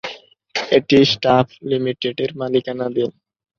এটি স্টাফ লিমিটেডের মালিকানাধীন।